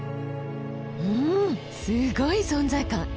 うんすごい存在感。